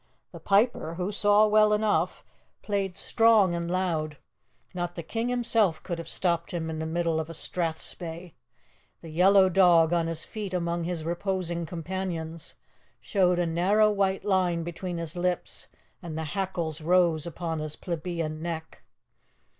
The piper, who saw well enough, played strong and loud; not the king himself could have stopped him in the middle of a strathspey. The yellow dog, on his feet among his reposing companions, showed a narrow white line between his lips, and the hackles rose upon his plebeian neck.